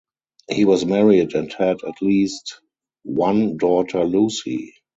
He was married and had at least one daughter Lucy.